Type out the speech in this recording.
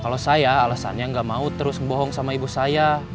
kalau saya alesannya gak mau terus ngebohong sama ibu saya